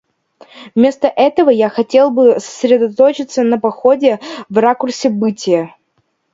Вместо этого я хотел бы сосредоточиться на подходе в ракурсе бытия.